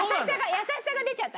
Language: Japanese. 優しさが出ちゃった。